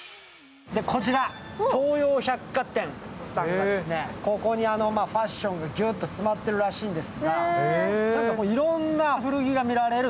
こちら、東洋百貨店さんは、ここにファッションがギュッと詰まっているらしいんです。